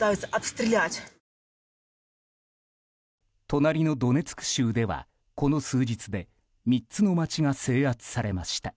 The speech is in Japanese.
隣のドネツク州ではこの数日で３つの街が制圧されました。